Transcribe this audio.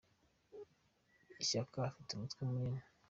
Shyaka afite umutwe munini.